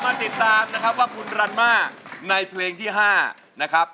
มาติดตามนะครับว่าคุณรันมาในเพลงที่๕นะครับ